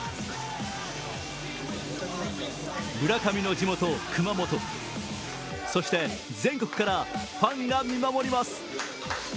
村上の地元・熊本、そして全国からファンが見守ります。